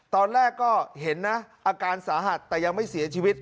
ตอนแรกก็เห็นนะอาการสาหัสแต่ยังไม่เสียชีวิต